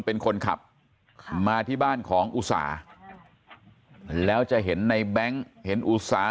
เป็นคนขับมาที่บ้านของอุสาแล้วจะเห็นในแบงค์เห็นอุตสาห